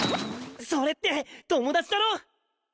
それって友達だろ？